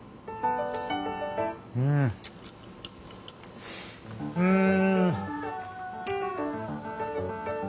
うんうん！